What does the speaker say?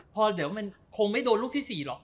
พอเดี๋ยวมันคงไม่โดนลูกที่๔หรอก